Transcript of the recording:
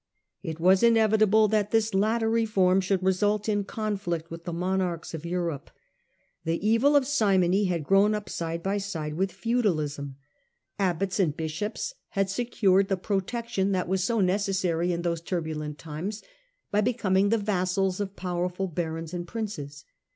It was inevitable that this latter reform should result in conflict with the monarchs of Europe. The evil of simony had grown up side by side with feudalism. 14 STUPOR MUNDI Abbots and bishops had secured the protection that was so necessary in those turbulent times by becoming the vassals of powerful barons and princes.